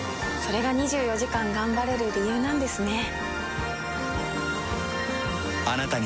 れが２４時間頑張れる理由なんですね。